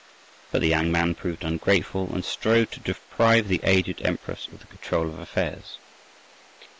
But the young man proved ungrateful, and strove to deprive the aged empress of the control of affairs.